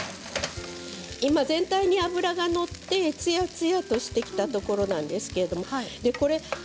今、全体に油がのってつやつやとしてきたところなんですけれど。